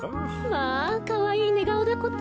まあかわいいねがおだこと。